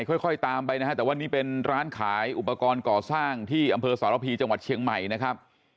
ค่อยตามไปนะฮะแต่ว่านี่เป็นร้านขายอุปกรณ์ก่อสร้างที่อำเภอสารพีจังหวัดเชียงใหม่นะครับ